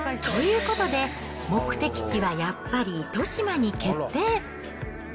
ということで、目的地はやっぱり、糸島に決定。